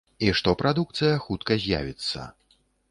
І што прадукцыя хутка з'явіцца.